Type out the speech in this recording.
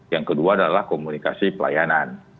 yang kedua adalah komunikasi pelayanan